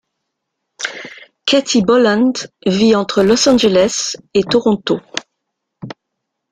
Katie Boland vit entre Los Angeles et Toronto.